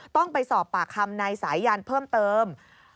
ต้องไปสอบปากคำนายสายันเพิ่มเติม